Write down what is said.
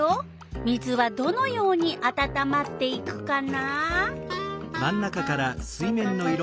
水はどのようにあたたまっていくかな？